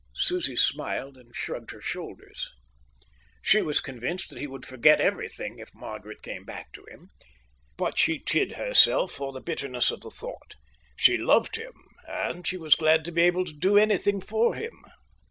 Susie smiled and shrugged her shoulders. She was convinced that he would forget everything if Margaret came back to him. But she chid herself for the bitterness of the thought. She loved him, and she was glad to be able to do anything for him.